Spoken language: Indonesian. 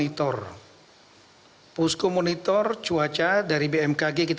latch on jalan jalan di indonesia